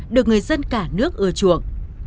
được người dân cả nước ưa chuộng